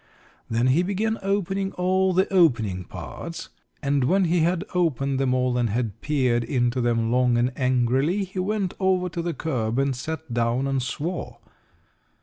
Then he began opening all the opening parts, and when he had opened them all and had peered into them long and angrily he went over to the curb and sat down and swore.